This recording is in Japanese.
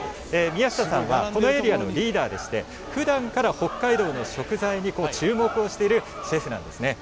宮下さんはこのエリアのリーダーでしてふだんから北海道の食材に注目をしているシェフなんですね。